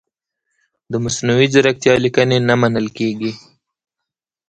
د مصنوعي ځیرکتیا لیکنې نه منل کیږي.